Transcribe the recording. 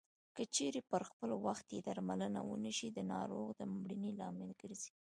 که چېرې پر خپل وخت یې درملنه ونشي د ناروغ د مړینې لامل ګرځي.